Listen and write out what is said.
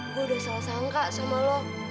gue udah salah sangka sama lo